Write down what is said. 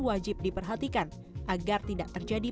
wajib diperhatikan agar tidak terjadi